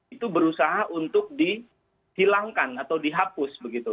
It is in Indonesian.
itu berusaha untuk dihilangkan atau dihapus begitu